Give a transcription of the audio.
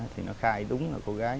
thì nó khai đúng là cô gái